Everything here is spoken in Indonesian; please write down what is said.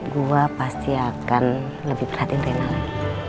gue pasti akan lebih perhatikan reina lagi